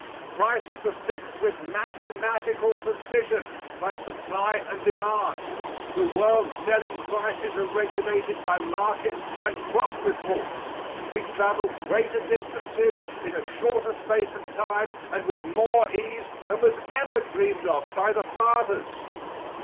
Prices are fixed with mathematical precision by supply and demand. The world's selling prices are regulated by market and crop reports. We travel greater distances in a shorter space of time and with more ease than was ever dreamed of by the fathers.